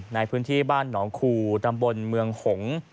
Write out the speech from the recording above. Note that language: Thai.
ในพื้นที่บ้านหนองคูตำบลเมืองหงษ์